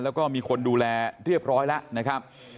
แล้วก็มีคนดูแลเรียบร้อยแล้วนะครับ